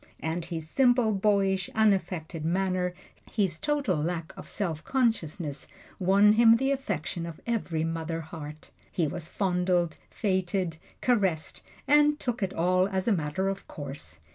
And his simple, boyish, unaffected manner his total lack of self consciousness won him the affection of every mother heart. He was fondled, feted, caressed, and took it all as a matter of course.